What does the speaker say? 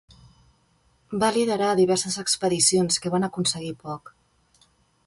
Va liderar diverses expedicions que van aconseguir poc.